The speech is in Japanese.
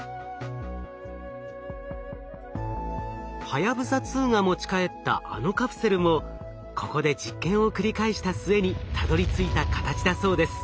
はやぶさ２が持ち帰ったあのカプセルもここで実験を繰り返した末にたどりついた形だそうです。